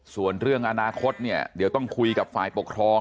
ส่วนเรื่องอนาคตเนี่ยเดี๋ยวต้องคุยกับฝ่ายปกครอง